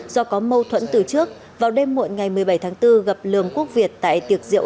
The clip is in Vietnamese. do có mâu thuẫn từ trước vào đêm muộn ngày một mươi bảy tháng bốn gặp lường quốc việt tại tiệc rượu